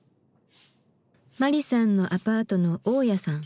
マリさんのアパートの大家さん。